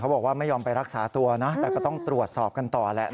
บอกว่าไม่ยอมไปรักษาตัวนะแต่ก็ต้องตรวจสอบกันต่อแหละ